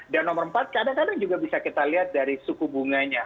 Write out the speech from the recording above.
dan nomor empat kadang kadang juga bisa kita lihat dari suku bunganya